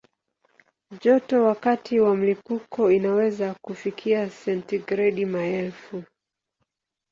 Joto wakati wa mlipuko inaweza kufikia sentigredi maelfu.